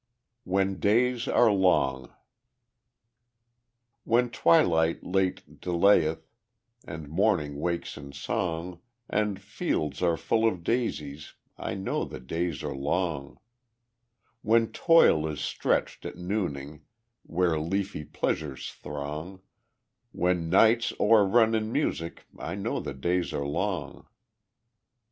When Days Are Long When twilight late delayeth, And morning wakes in song, And fields are full of daisies, I know the days are long; When Toil is stretched at nooning, Where leafy pleasures throng, When nights o'errun in music, I know the days are long.